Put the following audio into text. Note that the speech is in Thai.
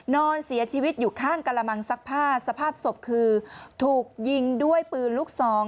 นอนเสียชีวิตอยู่ข้างกระมังซักผ้าสภาพศพคือถูกยิงด้วยปืนลูกซอง